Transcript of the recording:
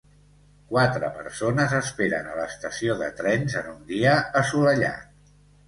Quatre persones esperen a l'estació de trens en un dia assolellat